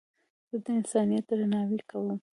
زه د انسانیت درناوی کوم.